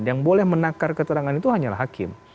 yang boleh menakar keterangan itu hanyalah hakim